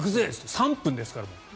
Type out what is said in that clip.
３分ですから。